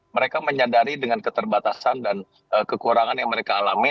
mereka menyadari dengan keterbatasan dan kekurangan yang mereka alami